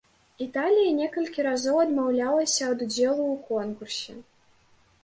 Італія некалькі разоў адмаўлялася ад удзелу ў конкурсе.